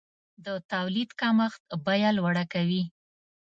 د تولید کمښت بیه لوړه کوي.